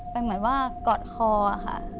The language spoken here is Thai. เป็นเหมือนว่ากอดคอค่ะ